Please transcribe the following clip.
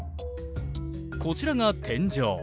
こちらが天井。